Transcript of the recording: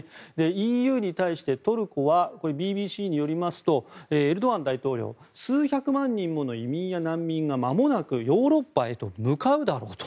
ＥＵに対して、トルコはＢＢＣによりますとエルドアン大統領数百万人もの移民や難民がまもなくヨーロッパへと向かうだろうと。